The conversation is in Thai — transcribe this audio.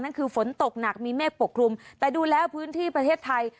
นั่นคือฝนตกหนักมีเมฆปกคลุมแต่ดูแล้วพื้นที่ประเทศไทย